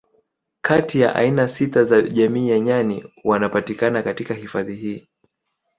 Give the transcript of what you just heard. Kati ya aina sita za jamii ya nyani wanapatikana katika hifadhi hii